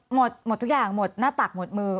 หมดหมดทุกอย่างหมดหน้าตักหมดมือ